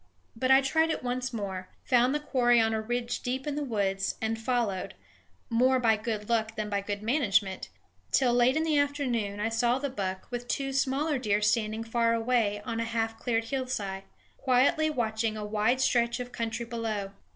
But I tried it once more; found the quarry on a ridge deep in the woods, and followed more by good luck than by good management till, late in the afternoon, I saw the buck with two smaller deer standing far away on a half cleared hillside, quietly watching a wide stretch of country below.